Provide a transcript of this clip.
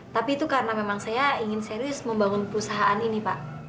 tapi itu karena memang saya ingin serius membangun perusahaan ini pak